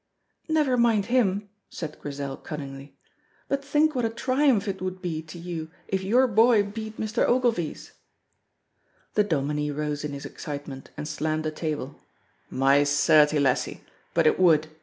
"Never mind him," said Grizel, cunningly. "But think what a triumph it would be to you if your boy beat Mr. Ogilvy's." The Dominie rose in his excitement and slammed the table, "My certie, lassie, but it would!"